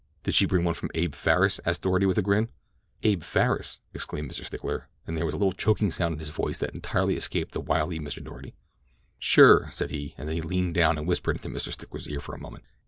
"Did she bring one from Abe Farris?" asked Doarty with a grin. "Abe Farris?" exclaimed Mr. Stickler, and there was a little choking sound in his voice that entirely escaped the wily Mr. Doarty. "Sure," said he, and then he leaned down and whispered into Mr. Stickler's ear for a moment.